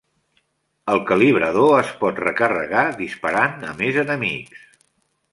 El calibrador es pot recarregar disparant a més enemics.